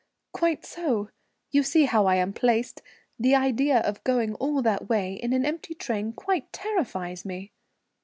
"Quite so. You see how I am placed. The idea of going all that way in an empty train quite terrifies me."